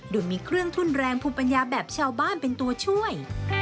โดยมีเครื่องทุนแรงภูมิปัญญาแบบชาวบ้านเป็นตัวช่วย